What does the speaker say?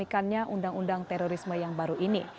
dan juga diperhatikannya undang undang terorisme yang baru ini